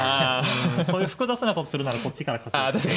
そういう複雑なことするならこっちから角打つけどいや。